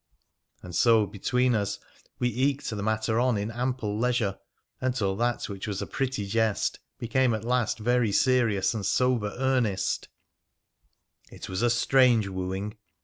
And so between us we eked the matter on in ample leisure, until that which was a pretty jest became at last very serious and sober earnest. PHRA THE PHCEN1CIAN 339 It was a strange wooing.